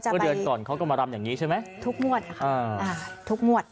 เพื่อเกิดเขาก็มารำอย่างนี้ใช่ไหมทุกมวดพร้อมนี้ค่ะทุกมวด